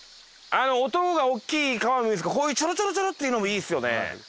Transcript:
音が大きい川もいいですけどこういうチョロチョロチョロっていうのもいいですよね。